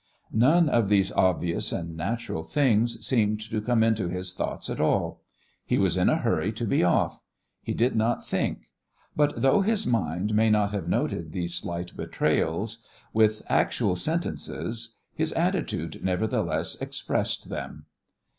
None of these obvious and natural things seemed to come into his thoughts at all. He was in a hurry to be off. He did not think. But, though his mind may not have noted these slight betrayals with actual sentences, his attitude, nevertheless, expressed them.